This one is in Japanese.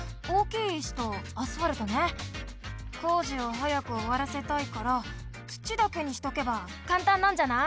こうじをはやくおわらせたいから土だけにしとけばかんたんなんじゃない？